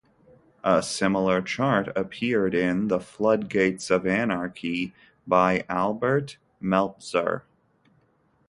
A similar chart appeared in "The Floodgates of Anarchy" by Albert Meltzer.